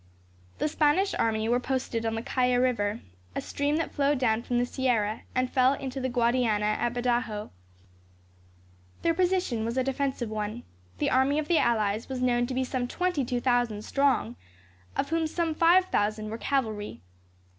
The Spanish army were posted on the Caya river, a stream that flowed down from the sierra, and fell into the Guadiana at Badajos. Their position was a defensive one. The army of the allies was known to be some twenty two thousand strong, of whom some five thousand were cavalry.